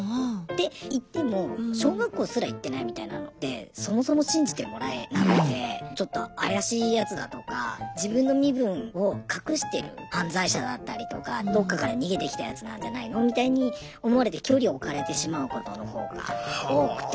で言っても小学校すら行ってないみたいなのってそもそも信じてもらえなくてちょっと怪しいやつだとか自分の身分を隠してる犯罪者だったりとかどっかから逃げてきたやつなんじゃないのみたいに思われて距離を置かれてしまうことの方が多くて。